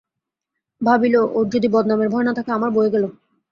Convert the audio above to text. ভাবিল ওর যদি বদনামের ভয় না থাকে আমার বয়ে গেল।